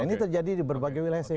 ini terjadi di berbagai wilayah